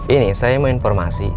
ini saya mau informasi